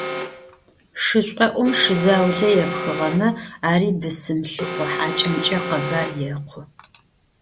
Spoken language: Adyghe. Шышӏоӏум шы заулэ епхыгъэмэ, ари бысым лъыхъо хьакӏэмкӏэ къэбар екъу.